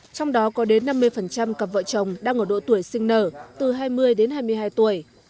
trong đó có đến năm mươi cặp vợ chồng đang ở độ tuổi sinh nở từ hai mươi đến hai mươi hai tuổi